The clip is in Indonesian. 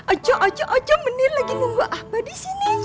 ajo ajo ajo menir lagi nunggu apa di sini